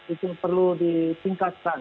itu perlu disingkatkan